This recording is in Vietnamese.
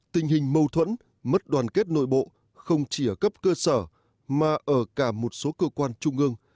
tình hình mâu thuẫn mất đoàn kết nội bộ không chỉ ở cấp cơ sở mà ở cả một số cơ quan trung ương